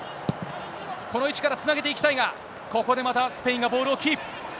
この位置からつなげていきたいが、ここでまたスペインがボールをキープ。